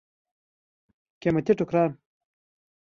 قیمتي ټوکران.